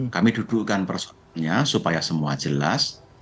kami dudukkan persoalannya supaya semua jelas